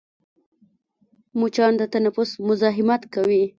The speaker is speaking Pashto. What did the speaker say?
مچان د تنفس مزاحمت کوي